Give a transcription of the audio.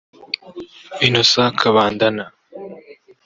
Innocent Kabandana